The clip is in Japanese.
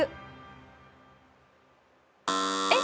えっ？